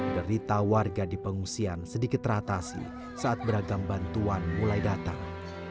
derita warga di pengungsian sedikit teratasi saat beragam bantuan mulai datang